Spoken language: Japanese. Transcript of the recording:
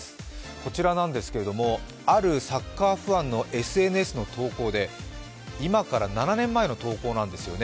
こちらなんですがあるサッカーファンの投稿で今から７年前の投稿なんですよね。